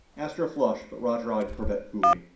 Astro flushed, but Roger eyed Corbett coolly.